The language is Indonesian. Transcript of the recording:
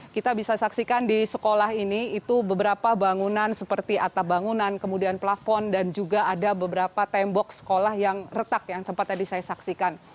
kita bisa saksikan di sekolah ini itu beberapa bangunan seperti atap bangunan kemudian plafon dan juga ada beberapa tembok sekolah yang retak yang sempat tadi saya saksikan